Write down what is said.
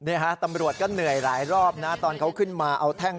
ฮะตำรวจก็เหนื่อยหลายรอบนะตอนเขาขึ้นมาเอาแท่ง